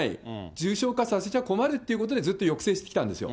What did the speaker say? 重症化させちゃ困るというので、ずっと抑制してきたんですよ。